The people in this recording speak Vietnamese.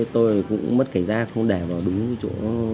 tôi cũng mất cái da không đẻ vào đúng chỗ